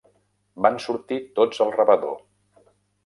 Van sortir tots al rebedor.